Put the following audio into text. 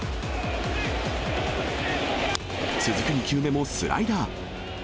続く２球目もスライダー。